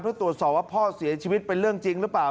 เพื่อตรวจสอบว่าพ่อเสียชีวิตเป็นเรื่องจริงหรือเปล่า